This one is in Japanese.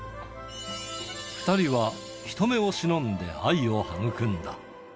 ２人は人目を忍んで愛を育んだ。